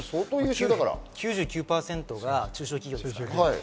９９％が中小企業ですからね。